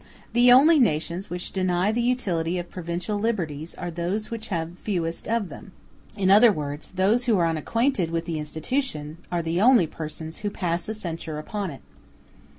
The only nations which deny the utility of provincial liberties are those which have fewest of them; in other words, those who are unacquainted with the institution are the only persons who pass a censure upon it.